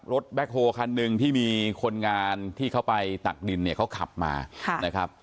แบ็คโฮคันหนึ่งที่มีคนงานที่เขาไปตักดินเนี่ยเขาขับมานะครับ